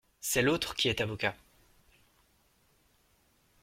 C'est l'autre qui est avocat !